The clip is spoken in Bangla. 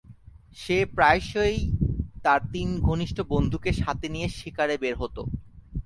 সে প্রায়শই তার তিন ঘনিষ্ঠ বন্ধুকে সাথে নিয়ে শিকারে বের হত।